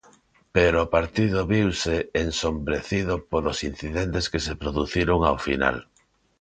Pero o partido viuse ensombrecido polos incidentes que se produciron ao final.